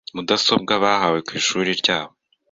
mudasobwa bahawe ku ishuri, ryabo